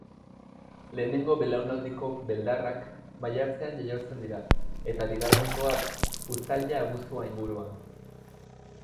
Lehenengo belaunaldiko beldarrak maiatzean jaiotzen dira, eta bigarrenekoak, uztaila-abuztua inguruan.